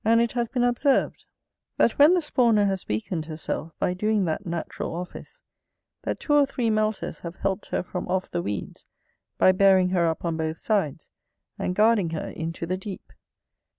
And it has been observed, that when the spawner has weakened herself by doing that natural office, that two or three melters have helped her from off the weeds, by bearing her up on both sides, and guarding her into the deep.